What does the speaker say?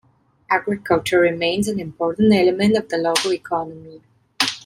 Agriculture remains an important element of the local economy.